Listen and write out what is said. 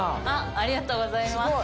ありがとうございます。